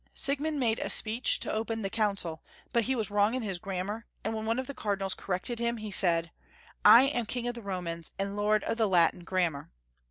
Siegmund made a speech to open the Council, but he was wrong in his grammar, and when one of the Cardinals corrected him, he said, " I am King of the Romans, and lord of the Latin grammar."